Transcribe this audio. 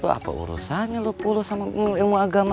loh apa urusannya lo fulus sama ilmu agama